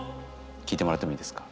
聞いてもらってもいいですか？